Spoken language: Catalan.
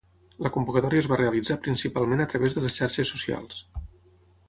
La convocatòria es va realitzar principalment a través de les xarxes socials.